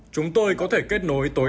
chúng tôi có thể kết nối tối